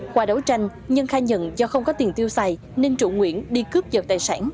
qua đấu tranh nhân khai nhận do không có tiền tiêu xài nên trụ nguyễn đi cướp dật tài sản